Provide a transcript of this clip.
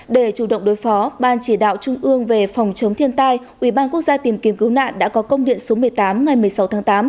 để chủ động đối phó ban chỉ đạo trung ương về phòng chống thiên tai ubnd tìm kiếm cứu nạn đã có công điện số một mươi tám ngày một mươi sáu tháng tám